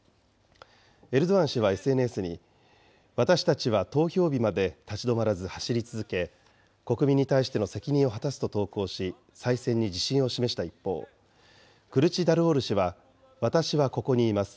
エルドアン氏はＳＮＳに、私たちは投票日まで立ち止まらず走り続け、国民に対しての責任を果たすと投稿し、再選に自信を示した一方、クルチダルオール氏は、私はここにいます。